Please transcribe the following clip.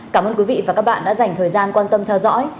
cảm ơn quý vị và các bạn đã dành thời gian quan tâm theo dõi